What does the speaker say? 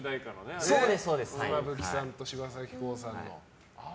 妻夫木さんと柴咲コウさんの。